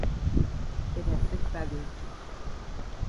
It has six bedrooms.